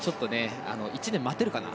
１年待てるかな。